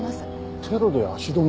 テロで足止め？